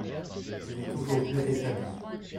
Elle est aujourd'hui rétablie.